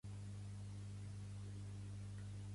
Vaig llegir molt, Kavafis, Cernuda, Joyce o Proust